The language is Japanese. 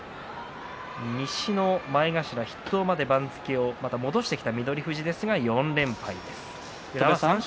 西の前頭筆頭まで番付を戻してきた翠富士、４連敗。